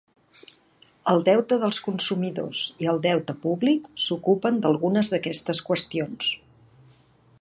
El deute dels consumidors i el deute públic s'ocupen d'algunes d'aquestes qüestions.